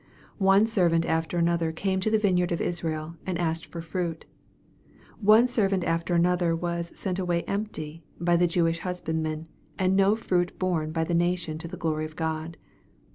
One servant after another carne to the vineyard of Israel, and asked for fruit. One ser vant after another was " sent away empty" by the Jew ish husbandmen, and no fruit borne by the nation to the glory of God.